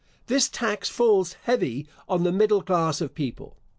This tax falls heavy on the middle class of people.